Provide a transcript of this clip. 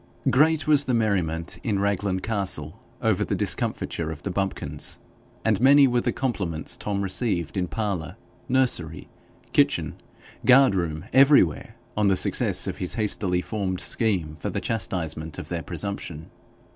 Great was the merriment in Raglan Castle over the discomfiture of the bumpkins, and many were the compliments Tom received in parlour, nursery, kitchen, guard room, everywhere, on the success of his hastily formed scheme for the chastisement of their presumption.